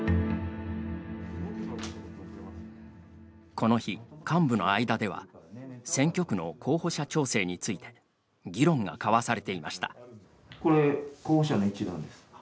この日、幹部の間では選挙区の候補者調整について議論が交わされていました。